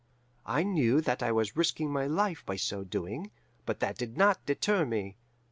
I knew that I was risking my life by so doing, but that did not deter me.